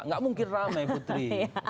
nggak mungkin ramai putri